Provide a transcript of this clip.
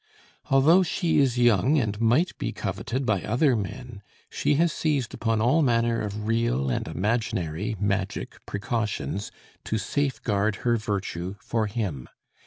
Although she is young and might be coveted by other men, she has seized upon all manner of real and imaginary (magic) precautions to safeguard her virtue for him.